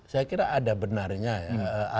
saya kira ada benarnya ya